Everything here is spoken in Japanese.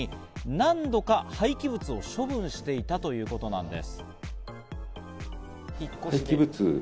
何度か廃棄物を処分していたということなんです。